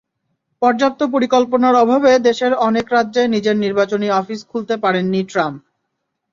পর্যাপ্ত পরিকল্পনার অভাবে দেশের অনেক রাজ্যে নিজের নির্বাচনী অফিস খুলতে পারেননি ট্রাম্প।